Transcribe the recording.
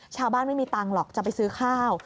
ชาวบ้านไม่มีตังค์หรอกจะไปซื้อข้าว